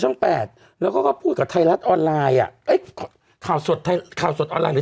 ช่องแปดแล้วก็ก็พูดกับไทยรัฐออนไลน์อะเอ๊ะข่าวสดข่าวสดออนไลน์หรือ